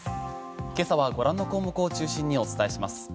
今朝はご覧の項目を中心にお伝えします。